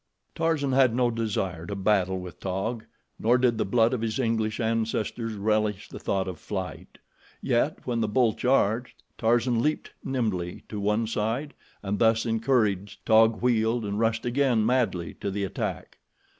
Tarzan had no desire to battle with Taug, nor did the blood of his English ancestors relish the thought of flight, yet when the bull charged, Tarzan leaped nimbly to one side, and thus encouraged, Taug wheeled and rushed again madly to the attack.